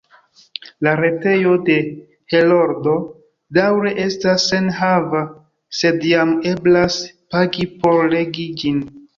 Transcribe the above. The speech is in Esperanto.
La retejo de Heroldo daŭre estas senenhava, sed jam eblas pagi por legi ĝin.